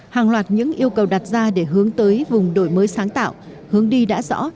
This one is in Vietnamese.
hàng loạt những yêu cầu đặt ra để hướng tới vùng đổi mới sáng tạo hướng đi đã rõ